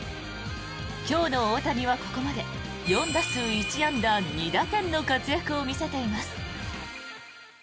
今日の大谷はここまで４打数１安打２打点の活躍を見せています。